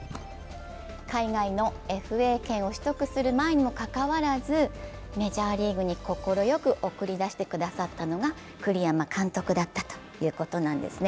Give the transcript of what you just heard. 海外のＦＡ権を取得する前にもかかわらずメジャーリーグに快く送り出してくださったのが栗山監督だったというわけですね。